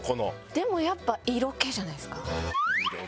でもやっぱ色気じゃないですか？